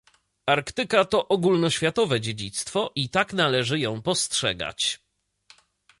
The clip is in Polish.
Arktyka to ogólnoświatowe dziedzictwo, i tak należy ją postrzegać